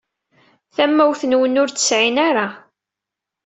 Tamawt-nwen ur temɛin ara.